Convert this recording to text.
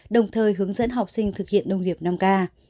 đồng thời hướng dẫn học sinh thực hiện nông nghiệp năm k